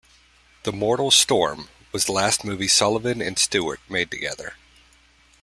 "The Mortal Storm" was the last movie Sullavan and Stewart made together.